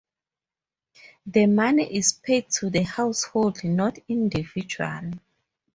The money is paid to the household, not individually.